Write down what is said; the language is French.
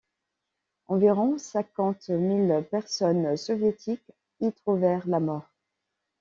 Environ cinquante mille personnes soviétiques y trouvèrent la mort.